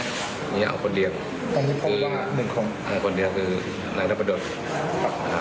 แต่แต่ค่ะแล้วครั้งนี้เรียงต้นครับเพราะว่า